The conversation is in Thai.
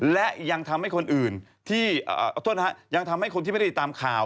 และยังทำให้คนที่ไม่ได้ตามข่าว